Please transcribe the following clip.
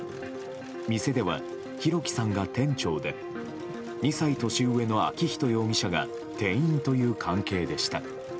店では、弘輝さんが店長で２歳年上の昭仁容疑者が店員という関係でした。